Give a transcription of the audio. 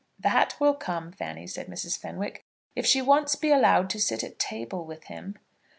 "That will come, Fanny," said Mrs. Fenwick, "if she once be allowed to sit at table with him."